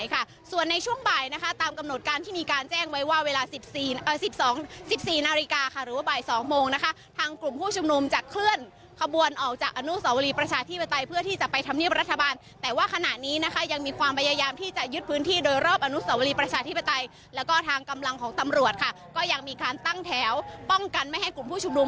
อีกสองสิบสี่นาฬิกาค่ะหรือว่าบ่ายสองโมงนะคะทางกลุ่มผู้ชุมนุมจะเคลื่อนขบวนออกจากอนุสวรีประชาธิปไตยเพื่อที่จะไปทำเงียบรัฐบาลแต่ว่าขณะนี้นะคะยังมีความพยายามที่จะยึดพื้นที่โดยรอบอนุสวรีประชาธิปไตยแล้วก็ทางกำลังของตำรวจค่ะก็ยังมีการตั้งแถวป้องกันไม่ให้กลุ่มผู้ชุมนุม